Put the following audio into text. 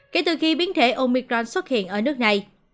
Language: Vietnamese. kể từ khi biến thể omicron xuất hiện ở nước này